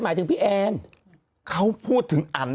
มองไปเรื่องแบบ